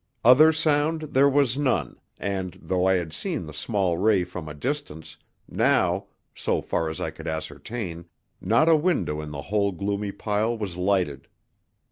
Other sound there was none, and, though I had seen the small ray from a distance, now so far as I could ascertain not a window in the whole gloomy pile was lighted.